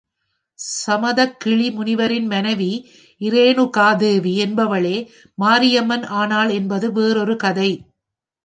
சமதக்கிளி முனிவரின் மனைவி இரேணுகா தேவி என்பவளே மாரியம்மன் ஆனாள் என்பது வேறொரு கதை.